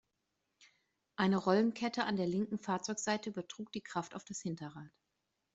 Eine Rollenkette an der linken Fahrzeugseite übertrug die Kraft auf das Hinterrad.